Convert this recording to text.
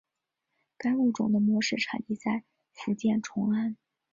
该物种的模式产地在福建崇安。